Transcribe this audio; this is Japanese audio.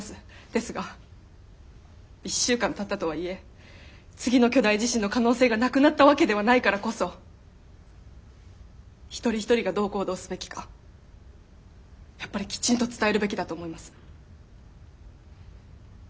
ですが１週間たったとはいえ次の巨大地震の可能性がなくなったわけではないからこそ一人一人がどう行動すべきかやっぱりきちんと伝えるべきだと思います。